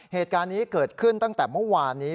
เหตุการณ์นี้เกิดขึ้นตั้งแต่เมื่อวานนี้